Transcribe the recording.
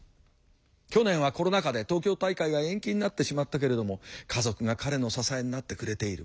去年はコロナ禍で東京大会が延期になってしまったけれども家族が彼の支えになってくれている。